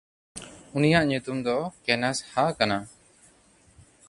ᱩᱱᱤᱭᱟᱜ ᱧᱩᱛᱩᱢ ᱫᱚ ᱠᱮᱱᱟᱥᱦᱟ ᱠᱟᱱᱟ᱾